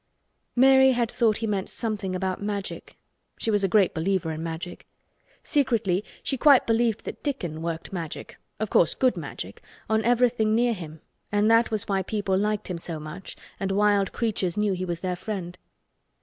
Mary had thought he meant something about Magic. She was a great believer in Magic. Secretly she quite believed that Dickon worked Magic, of course good Magic, on everything near him and that was why people liked him so much and wild creatures knew he was their friend.